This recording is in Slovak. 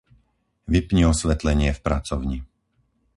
Vypni osvetlenie v pracovni.